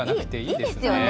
いいですよね。